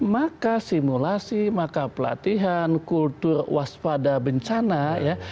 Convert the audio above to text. maka simulasi maka pelatihan kultur waspada bencana ya